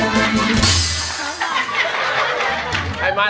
ไม่พอได้พยาน